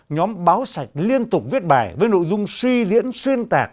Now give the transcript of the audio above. nhóm báo sạch liên tục viết bài với nội dung suy diễn xuyên tạc